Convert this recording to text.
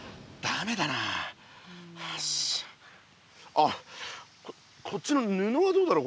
あこっちのぬのはどうだろう？